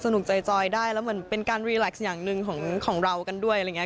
สนุกใจจอยได้และเหมือนเป็นการเรียลากซ์อย่างหนึ่งของเรากันด้วย